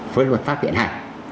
với luật pháp điện hành